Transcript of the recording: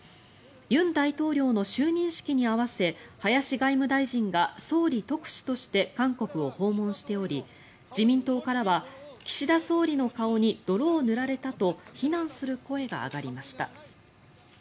尹大統領の就任式に合わせ林外務大臣が総理特使として韓国を訪問しており自民党からは岸田総理の顔に泥を塗られたと非難する声が上がりました。